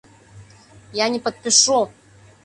Я не подпишу!